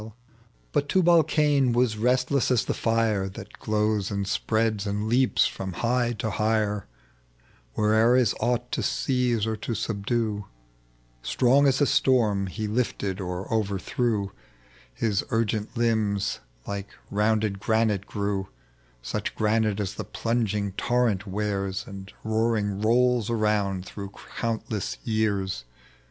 tec bv Google 10 THE LEGEND OP JUBAL. But Tubal Cain was restless as the Are That glows and spreads and leaps from high to higher Where'er is aught to seize or to subdue ; Strong as a storm he lifted or o'erthrew, His urgent limbs like granite bowlders grew, Such bowlders as the plunging torrent wears And roaring rolls around through countless years.